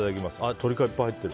鶏皮いっぱい入ってる。